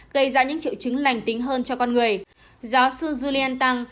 gây ra những triệu chứng lành tính hơn cho con người giáo sư julian tang